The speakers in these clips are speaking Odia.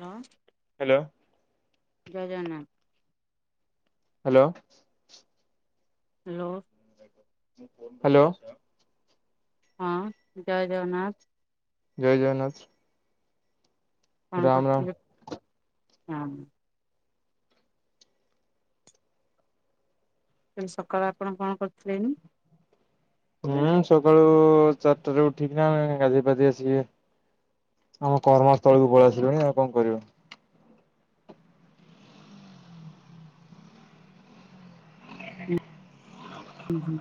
ହ୍ୟାଲୋ ହ୍ୟାଲୋ ଜୟ ଜଗନ୍ନାଥ। ହ୍ୟାଲୋ। ହ୍ୟାଲୋ। ହ୍ୟାଲୋ। ହଁ ଜୟ ଜଗନ୍ନାଥ। ଜୟ ଜଗନ୍ନାଥ। କଣ ରାମ ରାମ କରଥିଲି ହଁ? ହେ ସକାଳେ ଆପଣ କଣ କରୁଥିଲେନି? ହୁଁ ସକାଳୁ ଚାରିଟାରେ ଉଠିକି ନା ଗାଧେଇ ଫାଧ ଆସିକି ଆମ କର୍ମସ୍ଥଳକୁ ପଳେଇ ଆସିଲୁଣି ଆଉ କଣ କରିବ। ହଁ ହଁ ହଁ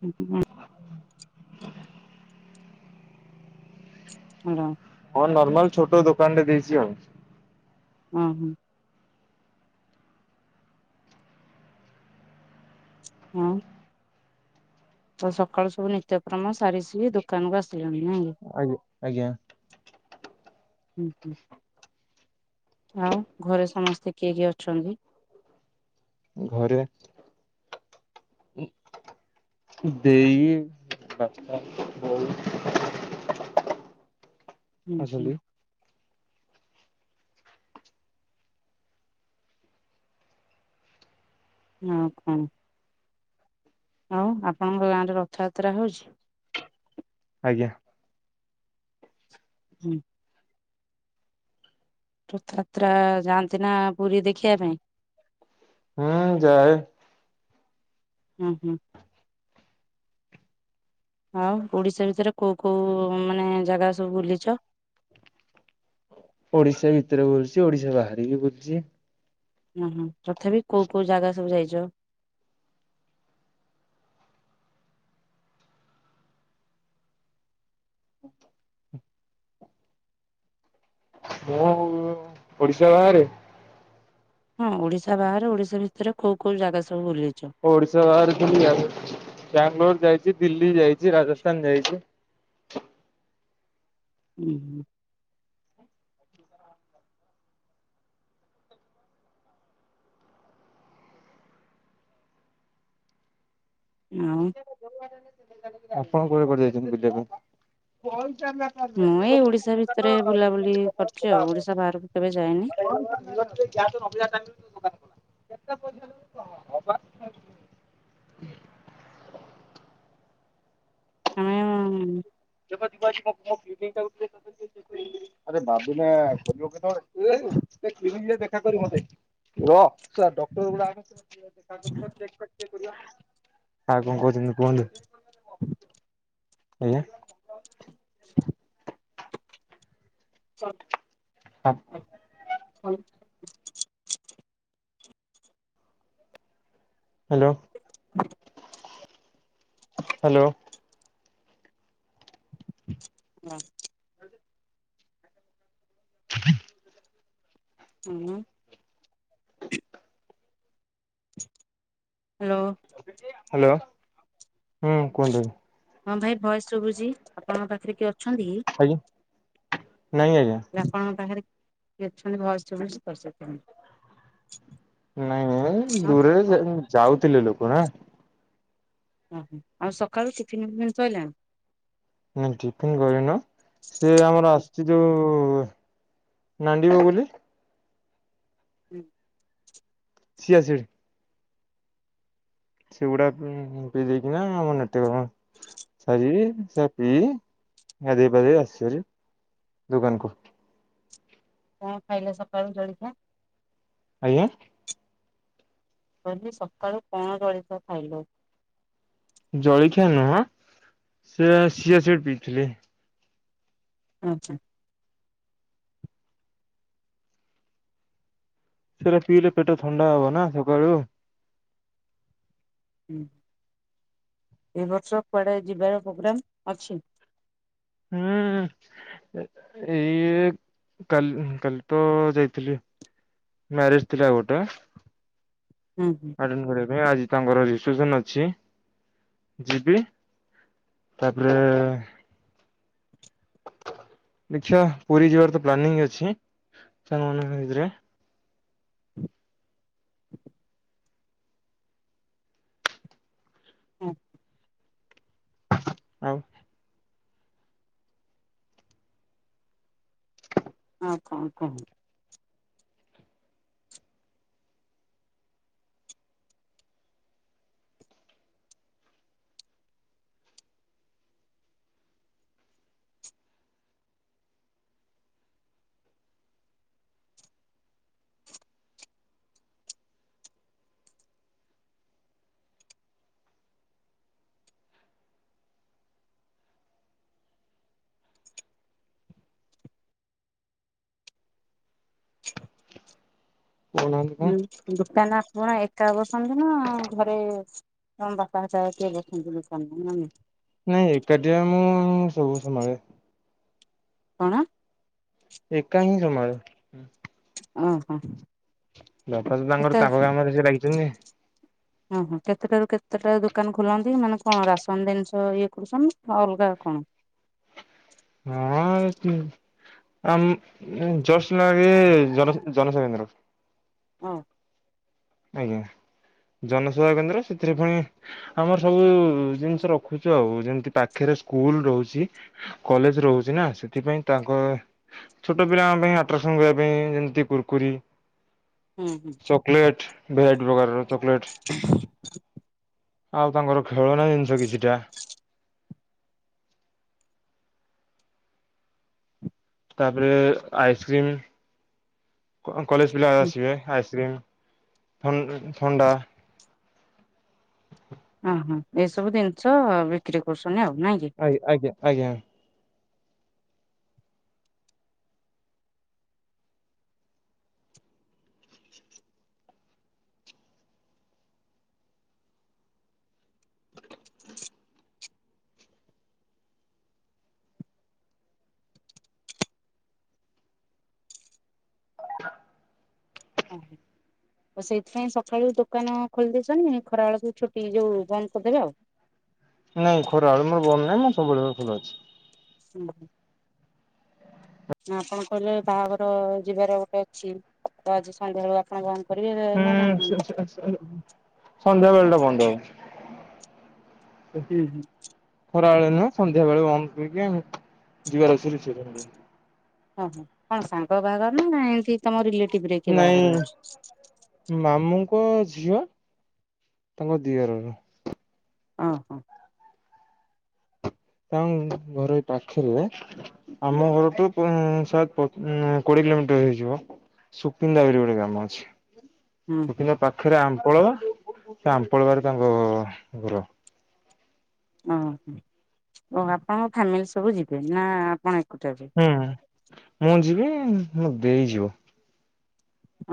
ହଁ ହଁ। ହ। ହ। ହଁ ନର୍ମାଲ ଛୋଟ ଦୋକାନ ରେ ଦେଇଛି ଆଉ। ହଁ ହଁ। ହଁ। ଆଉ ସକାଳୁ ସବୁ ନିତ୍ୟକ୍ରମ ସାରି ସି ଦୋକାନକୁୁ ଆସୁ ଆଜ୍ଞା, ଆଜ୍ଞା। ହୁଁ ହୁଁ। ଆଉ ଘରେ ସମସ୍ତେ କିଏ କିଏ ଅଛନ୍ତି? ଘରେ ଦେଇ, ବାପା, ବୋଉ ହୁଁ ହୁଁ। ଅଛନ୍ତି ହଁ କଣ? ହଉ ଆପଣଙ୍କ ଗାଁରେ ରଥଯାତ୍ରା ହଉଛି? ଆଜ୍ଞା। ହୁଁ। ରଥଯାତ୍ରା ଯାଆନ୍ତି ନା ପୁରୀ ଦେଖିବା ପାଇଁ? ହୁଁ ଯାଏ। ହୁଁ ହୁଁ। ଆଉ ଓଡ଼ିଶା ଭିତରେ କୋଉ କୋଉ ମାନେ ଜାଗା ସବୁ ବୁଲିଛ? [inaudible] ଓଡ଼ିଶା ଭିତରେ ବୁଲୁଛି ଓଡିଶା ବାହାର ବି ବୁଲୁଛି। ହୁଁ ହୁଁ ତଥାପି କୋଉ କୋଉ ଜାଗା ସବୁ ଯାଇଛ? [inaudible] ମୁଁ ଓଡିଶା ବାହାରେ ହଁ ଓଡ଼ିଶା ବାହାରେ ଓଡିଶା ଭିତରେ କୋଉ କୋଉ ଜାଗା ସବୁ? ବୁଲିଛ? ଓଡ଼ିଶା ବାହାରେ ବାଙ୍ଗାଲୋର ଯାଇଛି ଦିଲ୍ଲୀ ଯାଇଛି ରାଜସ୍ଥାନ ଯାଇଛି। ହୁଁ ହୁଁ। ଆଉ। ଆପଣ କୁଆଡ଼େ କୁଆଡ଼େ ଯାଇଛନ୍ତି ବୁଲିବା ପାଇଁ? [unintelligible] ମୁଁ ଏଇ ଓଡିଶା ଭିତରେ ବୁଲାବୁଲି କରିଛି ଆଉ ଓଡିଶା ବାହାରକୁ କେବେ ଯାଇନି। [unintelligible] [inaudible] ଆମେ [inaudible] [inaudible] [unintelligible] ଆଉ କଣ କହୁଛନ୍ତି କୁହନ୍ତୁ? ଆଜ୍ଞା। [unintelligible] [unintelligible] Hello, hello. [unintelligible] ହ୍ୟାଲୋ। ହ୍ୟାଲୋ। ହୁଁ। କୁହନ୍ତୁ। ହଁ ଭାଇ ଭଏସ ଶୁଭୁଛି। ଆପଣଙ୍କ ପାଖରେ କିଏ ଅ ଅ ଆଜ୍ଞା। ନାଇଁ ଆଜ୍ଞା ଆପଣଙ୍କ ପାଖରେ କିଏ ଅଛନ୍ତି ଭଏସ ଶୁଭୁଛି। ନାଇଁ ନାଇଁ ଆଉ ଦୂରରେ ଯାଉଥିଲେ ଲୋକ ନାଁ। ଓହୋ ଆଉ ସକାଳୁ ଟିଫିନ୍ ଫିଫିନ୍ ସରିଲା? ନା ଟିଫିନ କରିନୁ। ସେ ଆମର ଆସୁଛି ଯୋଉ ନାଣ୍ଡି ବଗୁଲୀ। ହୁଁ। ସିଆସିଡ୍ ସେଗୁଡା ଭିଜେଇକିନା ଆମର ନିତ୍ୟକର୍ମ ସାରିବି ସିଆଡେ ଯିବି ଗାଧେଇ ପାଧେଇ କି ଆସିବି। ଦୁକାନକୁ। କଣ ଖାଇଲେ ସକାଳୁ ଜଳଖିଆ? ଆଜ୍ଞା। କହିଲି ସକାଳୁ କଣ ଜଳଖିଆ ଖାଇଲ? ଜଳଖିଆ ନୁହଁ ସିଏ ସିଆସି ପିଇଥିଲି। ଆଚ୍ଛା। ସେଟା ଠିକ୍ ରେ ପେଟ ଥଣ୍ଡା ହବ ନା ସକାଳୁ। ହୁଁ। ଏବ ବର୍ଷ କୁଆଡ଼େ ଯିବାର ପ୍ରୋଗ୍ରାମ ଅଛି? ହୁଁ ଏ-ଏଇ କାଲି କାଲି ତ ଯାଇଥିଲି ମ୍ୟାରେଜ ଥିଲା ଆଉ ଗୋଟେ। ହୁଁ ଆଟେଣ୍ଡ କରିବା ପାଇଁ ଆଜି ତାଙ୍କର ରି ସେପ୍ସନ ଅଛି ଯିବି ତାପରେ ଦେଖିଆ ପୁରୀ ଯିବାର ତ ପ୍ଲାନିଂ ଅଛି ସାଙ୍ଗ ମଙ୍କ ଭିତରେ। ହଁ। ଆଉ ଆଉ କଣ କହ? କହୁନାହାନ୍ତି କଣ ଉଁ ଗୁପ୍ତା ନା କଣ ଏକା ବସନ୍ତି ନା ଘରେ ତମ ବାପା ହେରିକା କିଏ ବସନ୍ତି ଲୋକାନ ନା ନାହିଁ? ନାଇଁ ଏକାଠିଆ ମୁଁ ସବୁ ସମ୍ଭାଳେ। କଣ? ଏକା ହିଁ ସମ୍ଭାଳେ। ଓ ହୋ। ବାପା ତ ତାଙ୍କର ତାପ କାମରେ ସିଏ ଲାଗିଛନ୍ତି। ଓହୋ କେତେଟାରୁ କେତେଟା ଦୋକାନ ଖୋଲନ୍ତି ମାନେ କଣ ରାସନ ଜିନିଷ ଇଏ କରୁଚନ୍ତି ନା ଅଲଗା କଣ? ହଁ ସିଏ ଆମ୍ ଜସ୍ନାବ ଇଏ ଜନସେବା କେନ୍ଦ୍ର। ଅଂ ଆଜ୍ଞା। ଜନସେବା କେନ୍ଦ୍ର ସେଥିରେ ଫୁଣି ଆମର ସବୁ ଜିନିଷ ରଖୁଚୁ ଆଉ ଯେମିତି ପାଖରେ ସ୍କୁଲ ରହୁଚି କଲେଜ ରହୁଚି ନା ସେଥିପାଇଁ ତାଙ୍କ ଛୋଟ ପିଲାଙ୍କ ପାଇଁ ଆ ପସନ୍ଦ କରିବା ପାଇଁ ଯେମିତି କୁରକୁରି ହୁଁ ହୁଁ। ଚକୋଲେଟ ଭେରାଇଟ୍ ପ୍ରକାରର ଚକଲେଟ ଆଉ ତାଙ୍କର ଖେଳନା ଜିନିଷ କିଛିଟା ତାପରେ ଆଇସ୍କ୍ରିମ କଲେଜ ପିଲା ଆସିବେ ଆଇସ୍କ୍ରିମ ଥ ଥଣ୍ଡା ଓହୋ ଏଇସବୁ ଜିନିଷ ବିକ୍ରି କରୁଛନ୍ତି ଆଉ। ନାଇଁ କି? ଆଜ୍ଞା -ଆଜ୍ଞା - ଆଜ୍ଞା। ହ ଓ ହୁଁ। ଆଉ ସେଇଥିପାଇଁ ସକାଳୁ ଦୋକାନ ଖୋଲିଦେଇଛନ୍ତି। ଖରା ବେଳକୁ ଛୁଟି ଯୋଉ ବନ୍ଦ କରିଦେବେ ଆଉ। ନାଇଁ ଖରାବେଳେ ମୋର ବନ୍ଦ ନାହିଁ ମୋର ସବୁବେଳେ ଖୋଲା ଅଛି। ହୁଁ ହୁଁ। ନା ଆପଣ କହିଲେ ବାହାଘର ଯିବାର ଗୋଟେ ଅଛି ତ ଆଜି ସନ୍ଧ୍ୟା ବେଳୁ ଆପଣ କ ହୁଁ ସ -ସ -ସ ସନ୍ଧ୍ୟାବେଳଟା ବନ୍ଦ ହବ। ହୁଁ ହୁଁ। ଖରାବେଳେ ନୁହେଁ ସନ୍ଧ୍ୟାବେଳେ ବନ୍ଦ କରିକି ଯିବାର ଅଛି ରିସେପସନ୍ କୁ। ଓହୋ କଣ ସାଙ୍ଗ ବାହାଘର ନା ଏମତି ତମ ରିଲେ ନାଇଁ ମାମୁଁଙ୍କ ଝିଅ ତାଙ୍କ ଦିଅରର। ହଁ ହଁ। ତାଙ୍କ ଘର ଏଇ ପାଖରେ ଆମ ଘରଠୁ ପୁଣି ଶହେ ଉଁ କୋଡିଏ କିଲୋମିଟର ହେଇଯିବ ସୁକିନ୍ଦା ବୋଲି ଗୋଟେ ଗ୍ରାମ ଅଛି, ହୁଁ ହୁଁ ସୁକିନ୍ଦା ପାଖରେ ଆ [unintelligible] ଆମ୍ପଳରା ତାଙ୍କ ଘର। ଓ ହୋ ଆପଣଙ୍କ ଫ୍ୟାମିଲି ସବୁ ଯିବେ ନା ଆପଣ ଏକୁଟିଆ ଯିବେ? ହୁଁ ମୁଁ ଯିବି ମୋ ଦେଇ ଯିବ।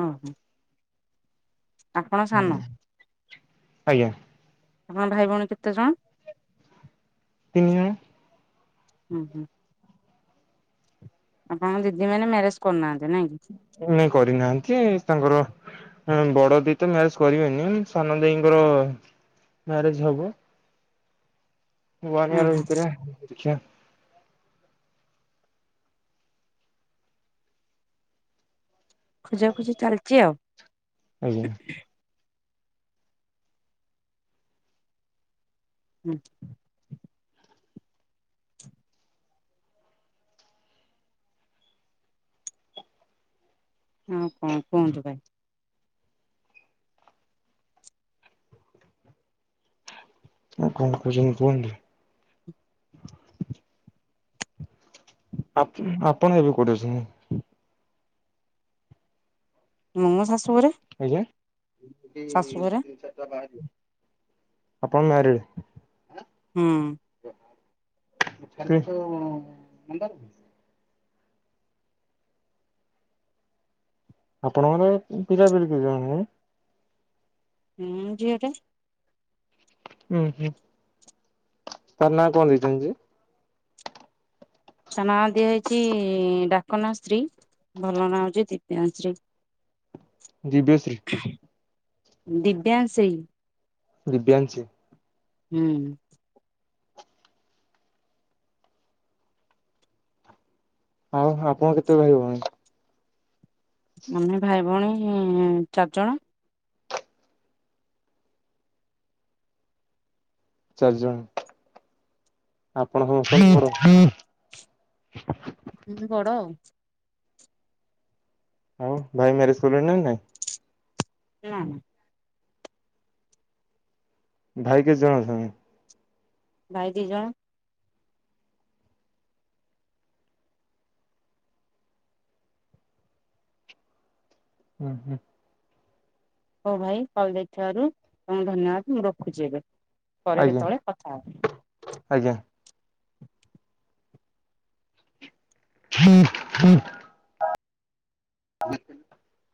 ହ ହୋ। ହୁଁ ଆଜ୍ଞା। ହଁ ଭାଇ ଭଉଣୀ କେତେ ଜଣ? ତିନି ଜଣ। ହୁଁ ହୁଁ। ଆପଣଙ୍କ ଦିଦି ମାନେ ମ୍ୟାରେଜ କରୁନାହାନ୍ତି ନାଇଁ କି? ନାଇଁ କରିନାହାନ୍ତି ତାଙ୍କର ହଁ ବଡ ଦିଦି ତ ମ୍ୟାରେଜ କରିବେନି ସାନ ଦେଇଙ୍କର ମ୍ୟାରେଜ ହବ। ଓହୋ [unintelligible] ଦେଖିଆ। ଖୋଜାଖୋଜି ଚାଲିଛି ଆଉ। ଆଜ୍ଞା। ହୁଁ। ହଁ କଣ କୁହନ୍ତୁ ଭାଇ? ଆଉ କଣ କରୁଛନ୍ତି କୁହନ୍ତୁ? ଆପ୍ ଆପଣ ଏବେ କୋଉଠି ଅଛନ୍ତି? ମୁଁ ମୋ ଶାଶୁଘରେ। ଆଜ୍ଞା ଆପଣ ମ୍ୟାରେଡ। ହୁଁ [unintelligible] ଆପଣଙ୍କର ପିଲା ପିଲି କେଇଜଣ [unintelligible] ହୁଁ ଝିଅଟା। ହୁଁ ହୁଁ ତାର ନାଁ କଣ ଦେଇଚନ୍ତି ଯେ ତା ନାଁ ଦିଆ ହେଇଛି ଡାକ ନା ଶ୍ରୀ ଭଲ ନାଁ ହଉଛି ଦିବ୍ୟାଂଶି। ଦିବ୍ୟ ଶ୍ରୀ। ଦିବ୍ୟାଂଶି। ଦିବ୍ୟାଂଶି। ହୁଁ। ହଁ ହଁ ଆପଣ କେତେ ଭାଇ ଭଉଣୀ। ଆମେ ଭାଇ ଭଉଣୀ ଚାରିଜଣ। ଚାରି ଜଣ ଆପଣ ସମସ୍ତର। ହୁଁ ବଡ ଆଉ। ହଉ ଭାଇ ମ୍ୟାରେଜ୍ କଲେଣି ନା ନାଇଁ। ନା ନା। ଭାଇ କେତେ ଜଣ ଅଛନ୍ତି। ଭାଇ ଦିଜଣ। ଉଁ ହୁଁ। ହୋଉ ଭାଇ କଲ୍ ଯାଇଥିବାରୁ ତମକୁ ଧନ୍ୟବାଦ୍ ମୁଁ ରଖୁଛି ଏବେ। ପରେ ଆଜ୍ଞା କେତେବେଳେ କଥା ହେବ। ଆଜ୍ଞା। [inaudible] [unintelligible]